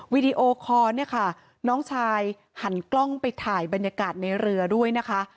วิดีโอคอร์เนี่ยค่ะน้องชายหันกล้องไปถ่ายบรรยากาศในเรือด้วยนะคะ